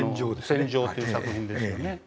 「戦場」という作品ですよね。